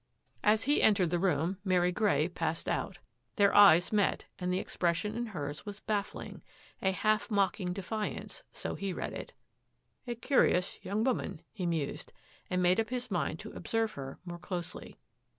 As he entered the room, Mary Grey passed out. Their eyes met and the expression in hers was baffling — a half mocking defiance, so he read it. " A curious young woman," he mused, and made up his mind to observe her more closely.